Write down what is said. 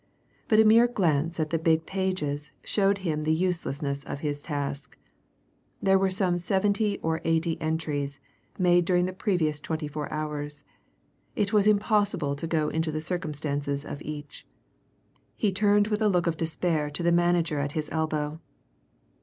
But a mere glance at the big pages showed him the uselessness of his task. There were some seventy or eighty entries, made during the previous twenty four hours; it was impossible to go into the circumstances of each. He turned with a look of despair to the manager at his elbow.